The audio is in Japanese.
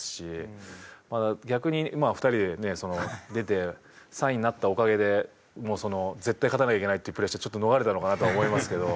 逆にまあ２人で出て３位になったおかげで絶対勝たなきゃいけないっていうプレッシャーはちょっと逃れたのかなとは思いますけど。